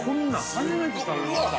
初めて食べました。